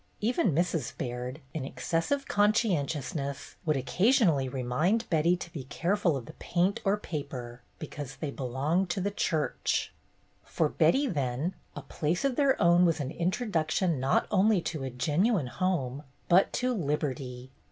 Even Mrs. Baird, in excessive conscientious ness, would occasionally remind Betty to be careful of the paint or paper, because they belonged to the church. For Betty, then, a place of their own was an introduction not only to a genuine home, but to liberty.